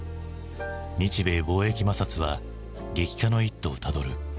日米貿易摩擦は激化の一途をたどる。